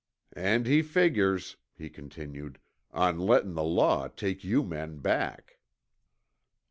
"And he figures," he continued, "on lettin' the law take you men back."